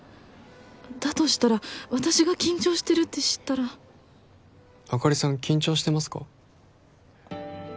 だとしたら私が緊張してるって知ったらあかりさん緊張してますか？